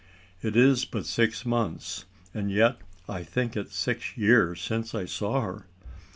It is but six months, and yet I think it six years, since I saw her.